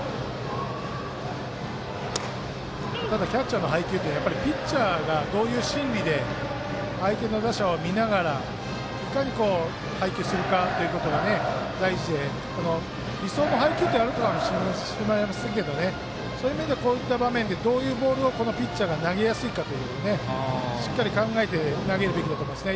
ただキャッチャーの配球って、ピッチャーがどういう心理で相手の打者を見ながらいかに、配球するかということが大事で理想の配球があるのかもしれませんけどそういう意味ではこういう場面でどういうボールをこのピッチャーが投げやすいかということでしっかり考えて投げるべきだと思いますね。